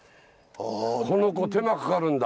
この子手間かかるんだ。